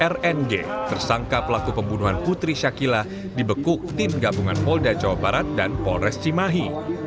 rng tersangka pelaku pembunuhan putri syakila dibekuk tim gabungan polda jawa barat dan polres cimahi